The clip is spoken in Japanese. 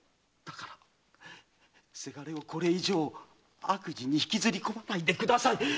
だからせがれをこれ以上悪事に引きずり込まないでください！